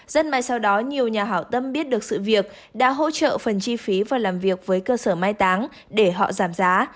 rất may sau đó nhiều nhà hảo tâm biết được sự việc đã hỗ trợ phần chi phí và làm việc với cơ sở mai táng để họ giảm giá